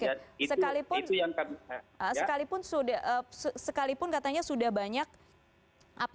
oke sekalipun katanya sudah banyak apd disalurkan